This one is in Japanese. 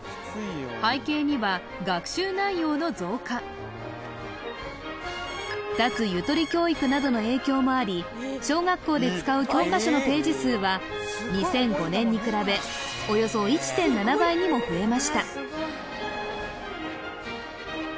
背景には学習内容の増加脱ゆとり教育などの影響もあり小学校で使う教科書のページ数は２００５年に比べおよそ１．７倍にも増えました